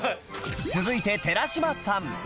続いて寺島さん